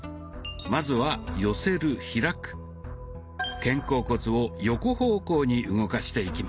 まずは肩甲骨を横方向に動かしていきます。